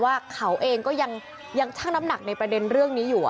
ว่าเขาเองก็ยังชั่งน้ำหนักในประเด็นเรื่องนี้อยู่